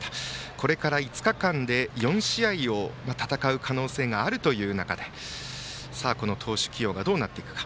これから５日間で４試合を戦う可能性がある中でこの投手起用がどうなっていくか。